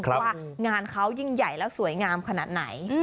ว่างานเขายิ่งใหญ่และสวยงามขนาดไหน